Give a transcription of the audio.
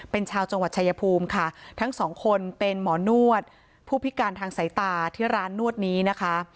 เป็นชาวจังหวัดชายภูมิค่ะทั้งสองคนเป็นหมอนวดผู้พิการทางสายตาที่ร้านนวดนี้นะคะ